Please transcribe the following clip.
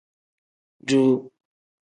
Duu.